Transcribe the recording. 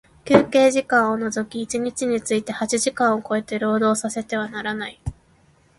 休憩時間を除き一日について八時間を超えて、労働させてはならない。